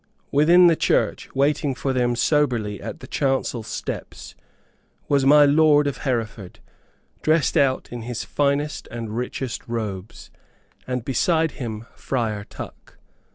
Within the church, waiting for them soberly at the chancel steps, was my lord of Hereford, dressed out in his finest and richest robes, and beside him Friar Tuck.